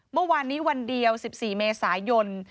เมื่อวานนี้วันเดียว๑๔เมษายน